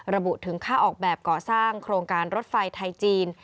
ระบุถึงค่าออกแบบก่อสร้างโครงการรถไฟไทยจีน